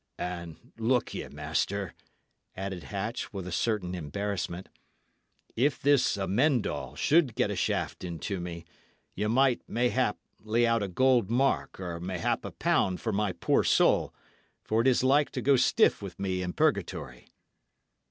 "And, look ye, master," added Hatch, with a certain embarrassment, "if this Amend All should get a shaft into me, ye might, mayhap, lay out a gold mark or mayhap a pound for my poor soul; for it is like to go stiff with me in purgatory."